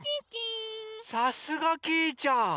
さすがきいちゃん！